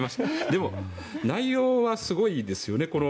でも、内容はすごいですよね。